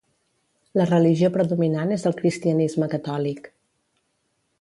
La religió predominant és el cristianisme catòlic.